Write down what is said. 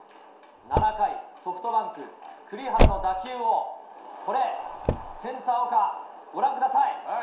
７回、ソフトバンク、栗原の打球をこれ、センター、岡、ご覧ください。